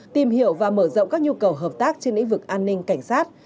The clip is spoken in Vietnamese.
tìm hiểu và mở rộng các nhu cầu hợp tác trên lĩnh vực an ninh cảnh sát